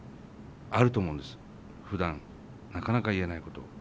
あると思うんですふだんなかなか言えないこと。